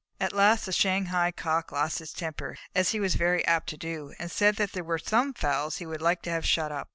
At last the Shanghai Cock lost his temper, as he was very apt to do, and said that there were some fowls he would like to have shut up.